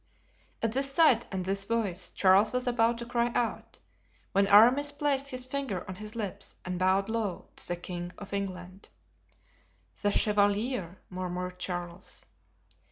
At this sight and this voice Charles was about to cry out, when Aramis placed his finger on his lips and bowed low to the king of England. "The chevalier!" murmured Charles.